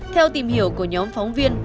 theo tìm hiểu của nhóm phóng viên